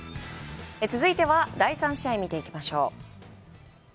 続いては第３試合を見ていきましょう。